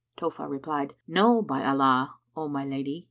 Tohfah replied, "No, by Allah, O my lady!